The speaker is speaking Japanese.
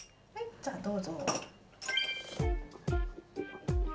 じゃあどうぞ。